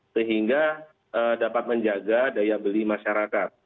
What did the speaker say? sehingga dapat menjaga daya beli masyarakat